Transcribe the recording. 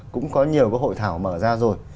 cũng có nhiều cái hội thảo mở ra rồi